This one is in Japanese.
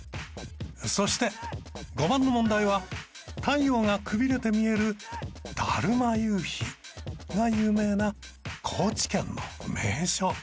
そして５番の問題は太陽がくびれて見える「だるま夕日」が有名な高知県の名所。